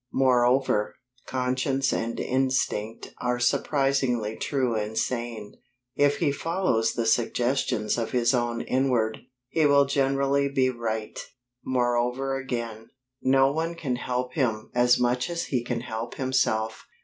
Moreover, conscience and instinct are surprisingly true and sane. If he follows the suggestions of his own inward, he will generally be right. Moreover again, no one can help him as much as he can help himself.